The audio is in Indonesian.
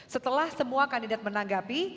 setelah semua kandidat menanggapi